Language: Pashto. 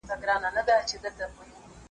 لکه ګڼي ښکلي وریځي د اسمان پر مخ ورکیږي .